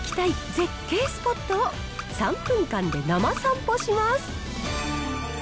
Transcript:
絶景スポットを、３分間で生散歩します。